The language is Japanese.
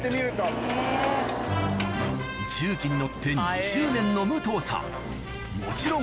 重機に乗って２０年の武藤さん